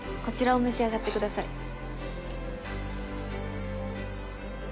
こちらを召し上がってください。